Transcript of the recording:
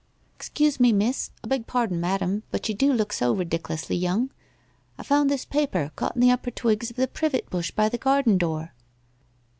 c Excuse me, Miss — I beg pardon, Madam, but you do look so ridic'lously young! — I found this paper caught in the upper twigs of the privet bush by the garden door.'